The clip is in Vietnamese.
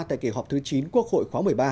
tại kỳ họp thứ chín quốc hội khóa một mươi ba